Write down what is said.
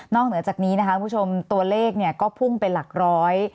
เหนือจากนี้นะคะคุณผู้ชมตัวเลขเนี่ยก็พุ่งเป็นหลักร้อย